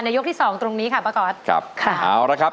ยกที่สองตรงนี้ค่ะป้าก๊อตครับค่ะเอาละครับ